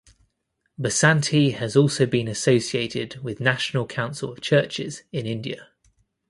Basanti has also been associated with National Council of Churches in India.